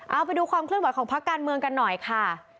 เอาไปดูความเคลื่อนไหวของพักการเมืองกันหน่อยค่ะ